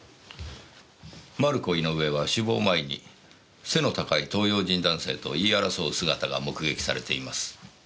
マルコ・イノウエは死亡前に背の高い東洋人男性と言い争う姿が目撃されています。